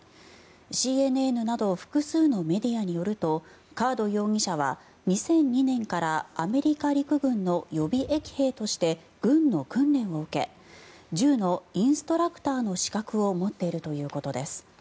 ＣＮＮなど複数のメディアによるとカード容疑者は２００２年からアメリカ陸軍の予備役兵として軍の訓練を受け銃のインストラクターの資格を持っているということです。